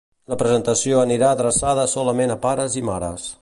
La presentació anirà adreçada solament a pares i mares.